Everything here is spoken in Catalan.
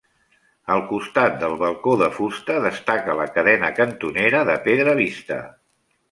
Al costat del balcó de fusta, destaca la cadena cantonera de pedra vista.